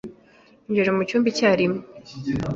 Injira mucyumba icyarimwe.